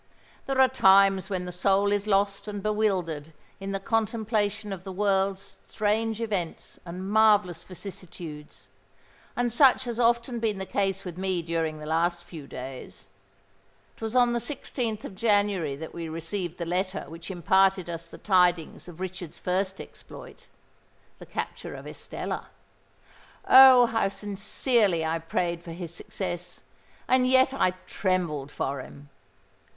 There are times when the soul is lost and bewildered in the contemplation of the world's strange events and marvellous vicissitudes; and such has often been the case with me during the last few days. It was on the 16th of January that we received the letter which imparted us the tidings of Richard's first exploit—the capture of Estella. Oh! how sincerely I prayed for his success—and yet I trembled for him!